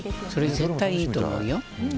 絶対いいと思うよ。